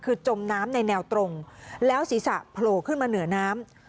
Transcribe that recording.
คือจมน้ำในแนวตรงแล้วศีรษะโผล่ขึ้นมาเหนือน้ำ